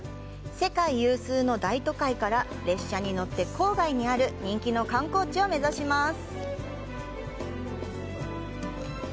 世界有数の大都会から列車に乗って郊外にある人気の観光地を目指します。